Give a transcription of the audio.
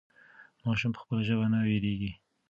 ماشوم په خپله ژبه نه وېرېږي.